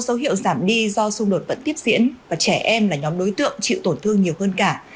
dấu hiệu giảm đi do xung đột vẫn tiếp diễn và trẻ em là nhóm đối tượng chịu tổn thương nhiều hơn cả